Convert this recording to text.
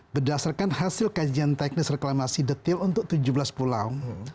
berdasarkan hasil kajian teknis reklamasi detail untuk tujuh belas pulau